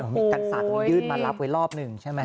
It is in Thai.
มีกันสั่นมันยืดมารับไว้รอบหนึ่งใช่ไหมครับ